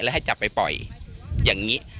แล้วให้จับไปปล่อยอย่างนี้